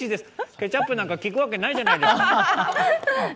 ケチャップなんてきくわけないじゃないですか。